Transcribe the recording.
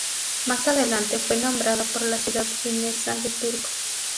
Más adelante, fue nombrado por la ciudad finesa de Turku.